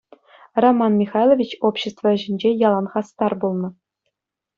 Роман Михайлович общество ӗҫӗнче ялан хастар пулнӑ.